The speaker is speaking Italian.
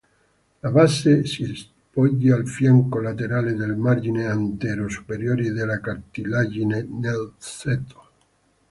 La base si poggia al fianco laterale del margine antero-superiore della cartilagine del setto.